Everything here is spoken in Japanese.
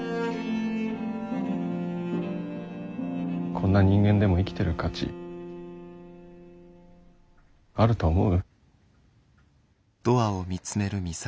こんな人間でも生きてる価値あると思う？